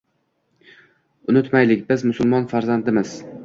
Unutmaylik: biz – musulmon farzandimiz.